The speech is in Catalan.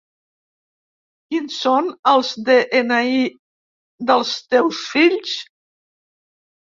Quins són els de-ena-i dels teus fills?